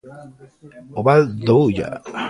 O Val do Ulla.